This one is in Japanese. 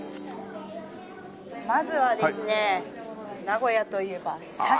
まずはですね名古屋といえばシャチ。